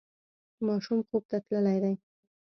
ماشوم خوب ته تللی دی.